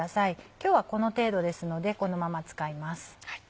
今日はこの程度ですのでこのまま使います。